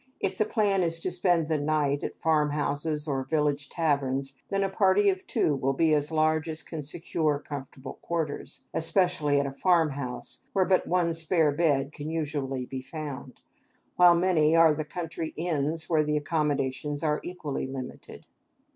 If the plan is to spend the nights at farmhouses or village taverns, then a party of two will be as large as can secure comfortable quarters, especially at a farmhouse, where but one spare bed can usually be found, while many are the country inns where the accommodations are equally limited.